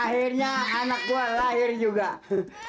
akhirnya anak gue lahir juga